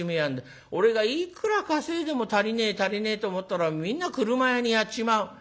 俺がいくら稼いでも足りねえ足りねえと思ったらみんな俥屋にやっちまう」。